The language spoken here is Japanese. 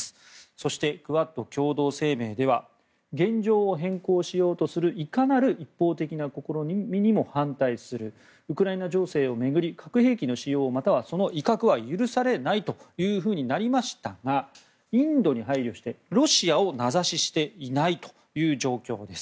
そして、クアッド共同声明では現状を変更しようとするいかなる一方的な試みにも反対するウクライナ情勢を巡り核兵器の使用またはその威嚇は許されないというふうになりましたがインドに配慮してロシアを名指ししていないという状況です。